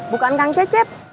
bukan kang cecep